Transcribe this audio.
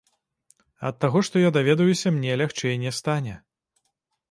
Ад таго, што я даведаюся, мне лягчэй не стане.